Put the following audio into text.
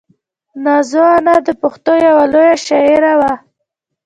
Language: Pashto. نازو انا د پښتنو یوه لویه شاعره وه.